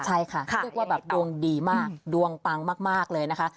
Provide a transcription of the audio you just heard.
ใช่ค่ะเรียกว่าแบบดวงดีมากดวงปังมากเลยนะคะ